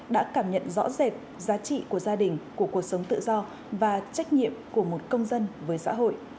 đã cảm nhận rõ rệt giá trị của gia đình của cuộc sống tự do và trách nhiệm của một công dân với xã hội